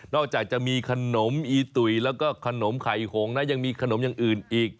นอกจากจะมีขนมอีตุ๋ยกริมก็มีขนมไข่โหงยังมีขนมยังอื่นอีก